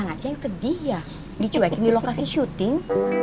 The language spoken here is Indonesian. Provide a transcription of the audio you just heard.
kang aceh yang sedih ya dicuekin di lokasi syuting